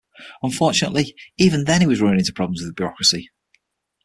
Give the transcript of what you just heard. Unfortunately even then he was running into problems with bureaucracy.